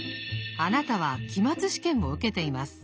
あなたは期末試験を受けています。